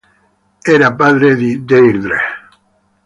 Era padre di Deirdre.